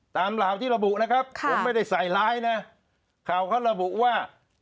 เหล่าที่ระบุนะครับผมไม่ได้ใส่ร้ายนะข่าวเขาระบุว่า